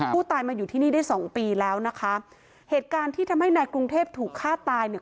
ผู้ตายมาอยู่ที่นี่ได้สองปีแล้วนะคะเหตุการณ์ที่ทำให้นายกรุงเทพถูกฆ่าตายเนี่ย